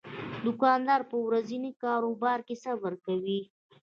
دوکاندار په ورځني کاروبار کې صبر کوي.